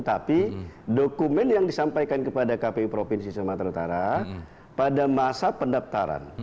tapi dokumen yang disampaikan kepada kpu provinsi sumatera utara pada masa pendaftaran